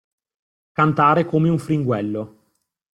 Cantare come un fringuello.